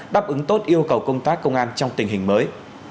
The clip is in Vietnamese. đáp ứng tốt yêu cầu công tác công an trong tình hình mới